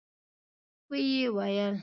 ويې ويل: